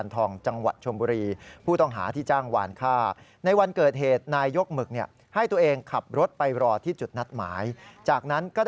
ก่อนจะเดินทางไปที่รถเก๋งของผู้ตายด้วยกันครับ